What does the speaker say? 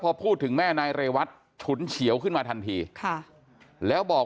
พอพูดถึงแม่นายเรวัตฉุนเฉียวขึ้นมาทันทีค่ะแล้วบอก